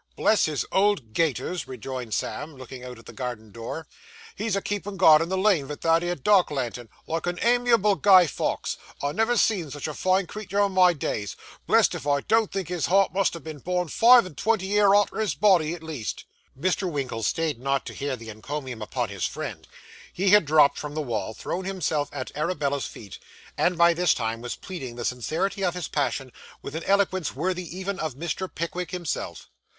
'Bless his old gaiters,' rejoined Sam, looking out at the garden door. 'He's a keepin' guard in the lane vith that 'ere dark lantern, like a amiable Guy Fawkes! I never see such a fine creetur in my days. Blessed if I don't think his heart must ha' been born five and twenty year arter his body, at least!' Mr. Winkle stayed not to hear the encomium upon his friend. He had dropped from the wall; thrown himself at Arabella's feet; and by this time was pleading the sincerity of his passion with an eloquence worthy even of Mr. Pickwick himself.